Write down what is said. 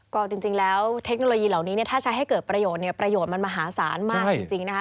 ก็จริงแล้วเทคโนโลยีเหล่านี้เนี่ยถ้าใช้ให้เกิดประโยชน์เนี่ยประโยชน์มันมหาศาลมากจริงนะคะ